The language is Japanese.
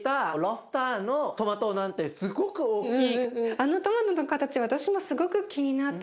あのトマトの形私もすごく気になった。